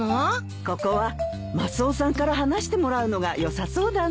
ここはマスオさんから話してもらうのがよさそうだね。